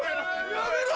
やめろ！